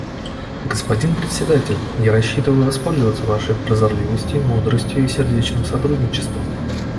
Господин Председатель, я рассчитываю воспользоваться Вашей прозорливостью, мудростью и сердечным сотрудничеством.